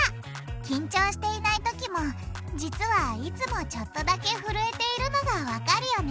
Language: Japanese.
緊張していないときも実はいつもちょっとだけふるえているのがわかるよね！